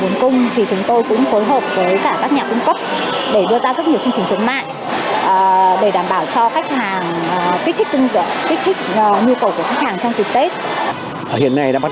khách hàng kích thích tương tự kích thích nhu cầu của khách hàng trong dịp tết hiện nay đã bắt